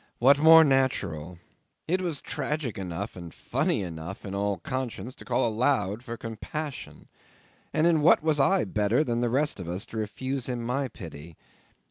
What more natural! It was tragic enough and funny enough in all conscience to call aloud for compassion, and in what was I better than the rest of us to refuse him my pity?